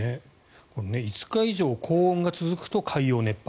５日以上高温が続くと海洋熱波